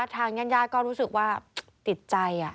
ทางญาติก็รู้สึกว่าติดใจ